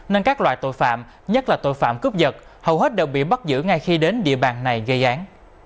nên các loại tội phạm nhất là tội phạm cướp giật hầu hết đều bị bắt giữ ngay khi đến địa bàn này gây án